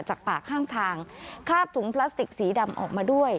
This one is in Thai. จากป่าข้างทางคาบถุงพลาสติกสีดำออกมาด้วย